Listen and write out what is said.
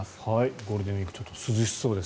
ゴールデンウィークちょっと涼しそうです。